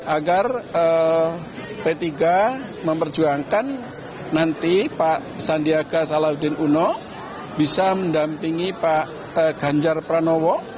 agar p tiga memperjuangkan nanti pak sandiaga salahuddin uno bisa mendampingi pak ganjar pranowo